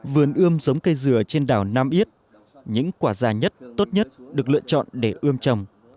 vườn ươm giống cây dừa trên đảo nam yết những quả già nhất tốt nhất được lựa chọn để ươm trồng